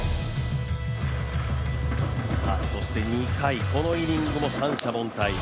そして２回、このイニングも三者凡退。